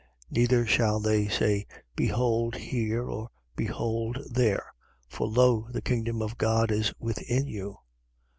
17:21. Neither shall they say: Behold here, or behold there. For lo, the kingdom of God is within you.